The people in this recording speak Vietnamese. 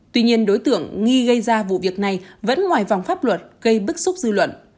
tuy nhiên đối tượng nghi gây ra vụ việc này vẫn ngoài vòng pháp luật gây bức xúc dư luận